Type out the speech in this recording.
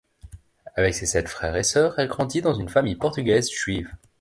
Avec ses sept frères et sœurs, elle grandit dans une famille portugaise Juive.